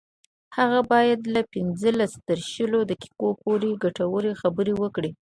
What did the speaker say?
هغه باید له پنځلس تر شلو دقیقو پورې ګټورې خبرې وکړي